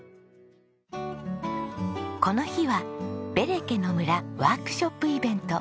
この日はベレケの村ワークショップイベント。